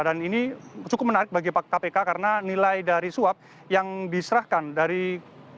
dan ini cukup menarik bagi kpk karena nilai dari suap yang diserahkan dari pemerintah